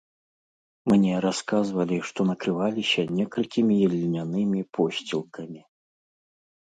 Мне расказвалі, што накрываліся некалькімі ільнянымі посцілкамі.